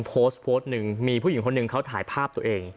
โพสต์โพสต์หนึ่งมีผู้หญิงคนหนึ่งเขาถ่ายภาพตัวเอง